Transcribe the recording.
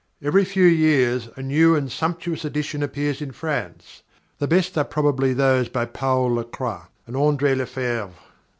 Every few years a new and sumptuous edition appears in France. The best are probably those by Paul Lacroix and André le Fèvre.